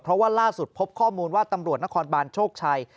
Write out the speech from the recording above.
เพราะว่าล่าสุดพบข้อมูลว่าตำรวจนครบานโชคชัย